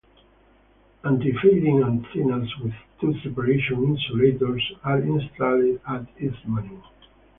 Anti-fading antennas with two separation insulators are installed at Ismaning.